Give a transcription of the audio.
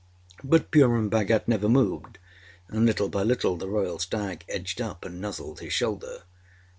But Purun Bhagat never moved, and, little by little, the royal stag edged up and nuzzled his shoulder.